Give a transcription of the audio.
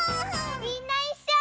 みんないっしょ！